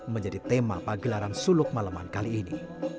menjadi tema pagelaran suluk malaman kali ini